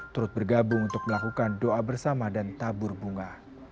turut bergabung untuk melakukan doa bersama dan tabur bunga